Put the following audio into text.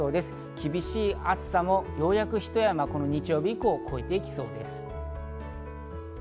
厳しい暑さもようやくひと山、この日曜日以降、越えていきそうです。